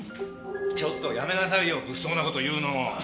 ちょっとやめなさいよ物騒な事を言うの。